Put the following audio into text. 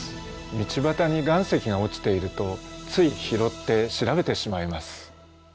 道端に岩石が落ちているとつい拾って調べてしまいます。